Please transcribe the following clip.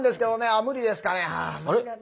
あ無理ですかね。